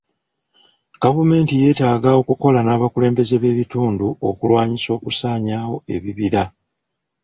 Gavumenti yeetaaga okukola n'abakulembeze b'ebitundu okulwanyisa okusaanyaawo ebibira.